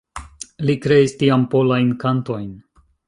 Li kreis tiam "Polajn Kantojn".